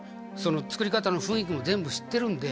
「作り方の雰囲気も全部知ってるんで」